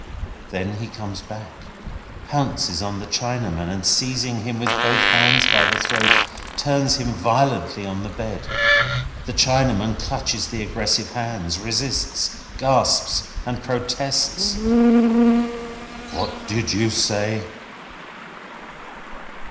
Then he comes back, pounces on the Chinaman, and seizing him with both hands by the throat, turns him violently on the bed. The Chinaman clutches the aggressive hands, resists, gasps, and protests. "What do you say?"